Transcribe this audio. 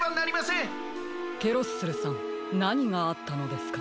ケロッスルさんなにがあったのですか？